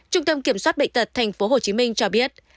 trung tâm kiểm soát bệnh tật tp hcm cho biết